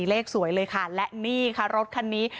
เลขสวยเลยค่ะและนี่ค่ะรถคันนี้